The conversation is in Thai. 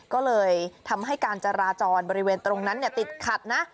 ก็เลยทำให้การจราจรบริเวณตรงนั้นติดขัดนะ